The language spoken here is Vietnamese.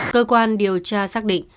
cơ quan điều tra xác định